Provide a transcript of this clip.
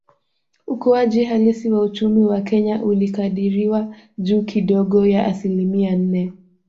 Ukuaji halisi wa uchumi wa Kenya ulikadiriwa juu kidogo ya asilimia nne